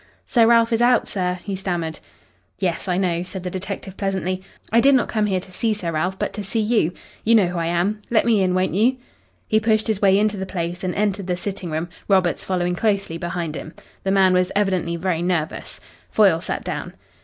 "Sir Ralph is out, sir," he stammered. "Yes, I know," said the detective pleasantly. "I did not come here to see Sir Ralph, but to see you. You know who I am. Let me in, won't you?" He pushed his way into the place and entered the sitting room, Roberts following closely behind him. The man was evidently very nervous. Foyle sat down.